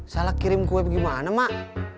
salah kirim kue gimana mak